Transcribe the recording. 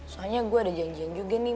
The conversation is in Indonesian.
soalnya gue ada janjian juga nih